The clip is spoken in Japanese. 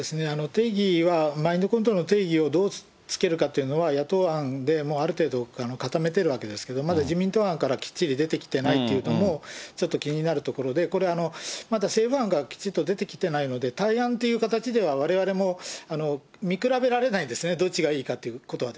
定義はマインドコントロールの定義をどうつけるかっていうのは、野党案である程度固めてるわけですけども、まだ自民党案からきっちり出てきてないっていうか、ちょっと気になるところで、これ、まだ政府案がきちっと出てきてないので、対案っていう形ではわれわれも見比べられないんですね、どっちがいいかということは。